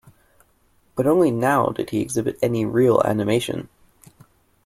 But only now did he exhibit any real animation.